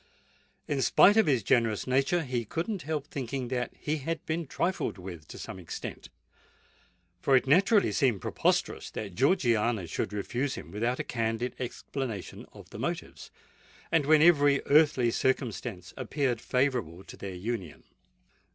In spite of his generous nature, he could not help thinking that he had been trifled with to some extent; for it naturally seemed preposterous that Georgiana should refuse him without a candid explanation of the motives, and when every earthly circumstance appeared favourable to their union.